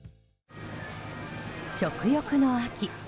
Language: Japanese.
食欲の秋。